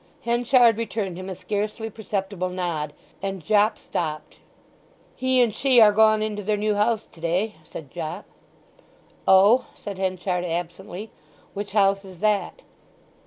Henchard returned him a scarcely perceptible nod, and Jopp stopped. "He and she are gone into their new house to day," said Jopp. "Oh," said Henchard absently. "Which house is that?"